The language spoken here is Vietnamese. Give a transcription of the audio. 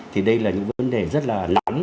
thì đây là những vấn đề rất là lắm